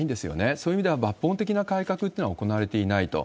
そういう意味では、抜本的な改革というのは行われていないと。